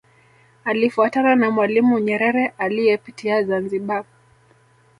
Alifuatana na Mwalimu Nyerere aliyepitia Zanzibar